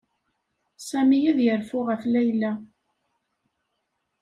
Sami ad yerfu ɣef Layla.